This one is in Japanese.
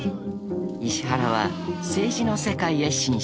石原は政治の世界へ進出］